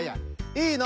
いいの！